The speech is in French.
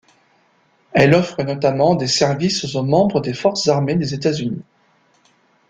Elle offre notamment des services aux membres des forces armées des États-Unis.